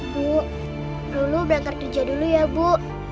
bu dulu berangkat kerja dulu ya bu